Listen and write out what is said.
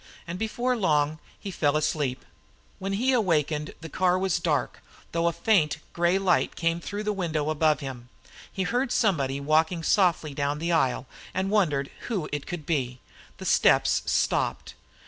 And before long he fell asleep. When he awakened the car was dark, though a faint gray light came through the window above him. He heard somebody walking softly down the aisle and wondered who it could be. The steps stopped.